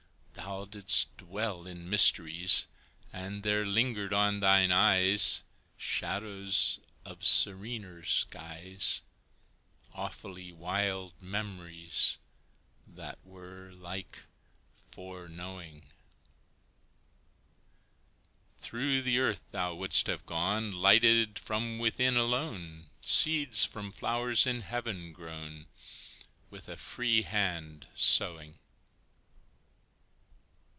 Thou didst dwell in mysteries, And there lingered on thine eyes Shadows of serener skies, Awfully wild memories, That were like foreknowing; Through the earth thou would'st have gone, Lighted from within alone, Seeds from flowers in Heaven grown With a free hand sowing.